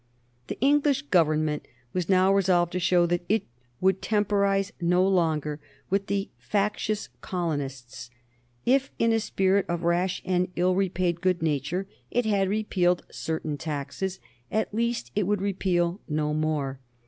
The English Government was now resolved to show that it would temporize no longer with the factious colonists. If in a spirit of rash and ill repaid good nature it had repealed certain taxes, at least it would repeal no more.